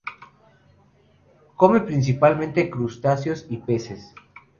Come principalmente crustáceos y peces.